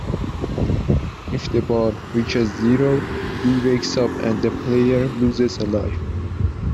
If the bar reaches zero, Lee wakes up and the player loses a life.